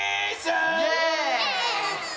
イエーイ！